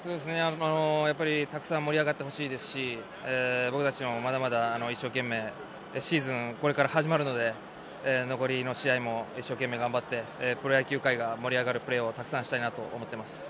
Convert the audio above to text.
やっぱりたくさん盛り上がってほしいですし僕たちもまだまだこれからシーズンが始まるので残りの試合も一生懸命頑張ってプロ野球界が盛り上がるプレーをたくさんしたいなと思ってます。